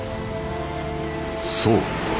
そう。